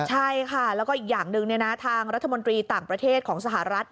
ใช่ค่ะแล้วก็อีกอย่างหนึ่งทางรัฐมนตรีต่างประเทศของสหรัฐ